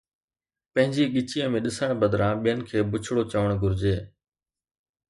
پنهنجي ڳچيءَ ۾ ڏسڻ بدران ٻين کي بڇڙو چوڻ گهرجي